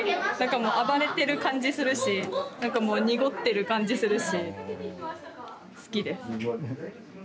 暴れてる感じするしなんかもう濁ってる感じするし好きです。